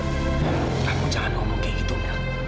kamu jangan ngomong kayak gitu mil